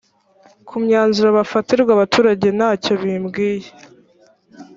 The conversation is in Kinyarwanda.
ku myanzuro yabafatirwa abaturage ntacyo bimbwiye